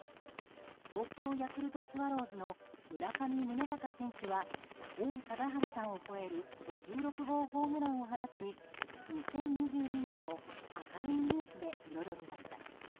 東京ヤクルトスワローズの村上宗隆選手は王貞治さんを超える５６号ホームランを放ち２０２２年を明るいニュースで彩りました。